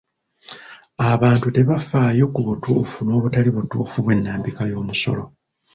Abantu tebafaayo ku butuufu n'obutali butuufu bw'ennambika y'omusolo.